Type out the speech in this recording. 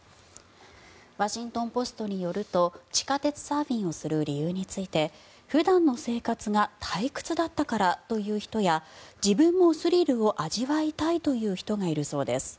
ワシントン・ポストによると地下鉄サーフィンをする理由について普段の生活が退屈だったからという人や自分もスリルを味わいたいという人がいるそうです。